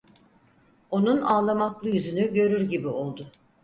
Onun ağlamaklı yüzünü görür gibi oldu.